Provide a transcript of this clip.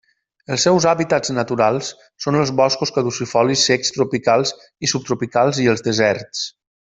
Els seus hàbitats naturals són els boscos caducifolis secs tropicals i subtropicals i els deserts.